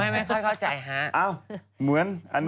ไม่ค่อยเข้าใจฮะ